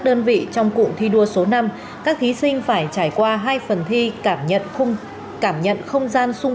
đơn vị trong cụng thi đua số năm các thí sinh phải trải qua hai phần thi cảm nhận không gian xung